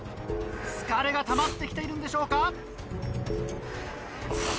疲れがたまって来ているんでしょうか。